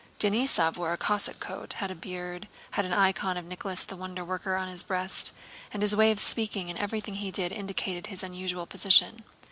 Denísov wore a Cossack coat, had a beard, had an icon of Nicholas the Wonder Worker on his breast, and his way of speaking and everything he did indicated his unusual position.